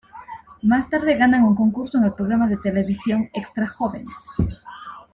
Más tarde ganan un concurso en el programa de televisión Extra jóvenes.